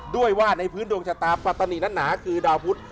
ด้วยว่าในพื้นดวงชะตาปัตตานีนั้นหนาคือดาวพุทธ